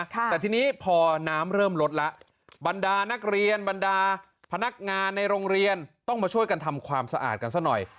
แต่ทีนี้พอน้ำเริ่มลดแล้วบรรดานักเรียนบรรดาพนักงานในโรงเรียนต้องมาช่วยกันทำความสะอาดกันซะหน่อย